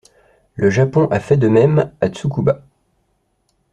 Le Japon a fait de même à Tsukuba.